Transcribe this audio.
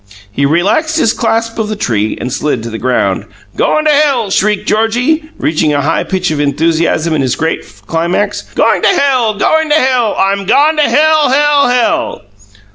He relaxed his clasp of the tree and slid to the ground. "Going to hell!" shrieked Georgie, reaching a high pitch of enthusiasm in this great climax. "Going to hell! Going to hell! I'm gone to hell, hell, hell!"